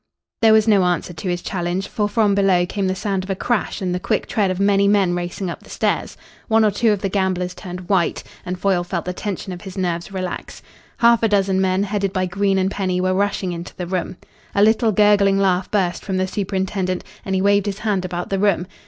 There was no answer to his challenge, for from below came the sound of a crash and the quick tread of many men racing up the stairs. One or two of the gamblers turned white, and Foyle felt the tension of his nerves relax. Half a dozen men, headed by Green and Penny, were rushing into the room. A little gurgling laugh burst from the superintendent, and he waved his hand about the room.